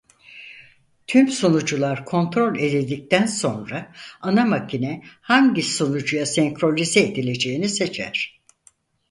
Tüm sunucular kontrol edildikten sonra ana makine hangi sunucuya senkronize edileceğini seçer.